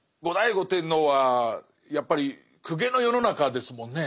後醍醐天皇はやっぱり公家の世の中ですもんね。